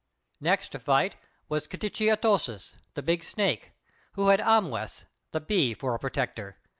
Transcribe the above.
Next to fight was K'tchi Atōsis, the Big Snake, who had "Amwess," the Bee, for a protector.